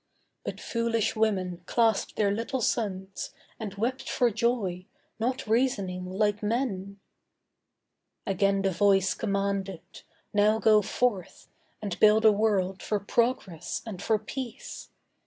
But foolish women clasped their little sons And wept for joy, not reasoning like men. Again the Voice commanded: 'Now go forth And build a world for Progress and for Peace.